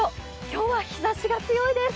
今日は日ざしが強いです。